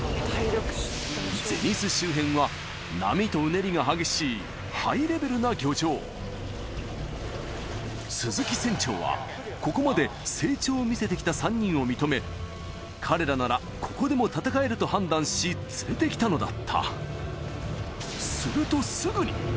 銭洲周辺は波とうねりが激しいハイレベルな漁場鈴木船長はここまで成長を見せてきた３人を認め彼らならここでも戦えると判断し連れてきたのだった・